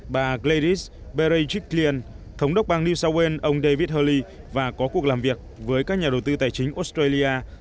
bà gladys berejiklian thống đốc bang new south wales ông david hurley và có cuộc làm việc với các nhà đầu tư tài chính australia